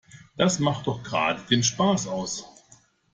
Das macht doch gerade den Spaß aus.